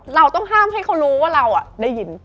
เราต้องห้ามให้เขารู้ว่าเราได้ยิน